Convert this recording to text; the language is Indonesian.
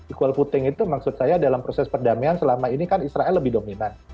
equal voting itu maksud saya dalam proses perdamaian selama ini kan israel lebih dominan